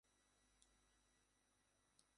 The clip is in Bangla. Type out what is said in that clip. আমি এগুলিকে বিজ্ঞানের বিষয় বলিয়াই মনে করি।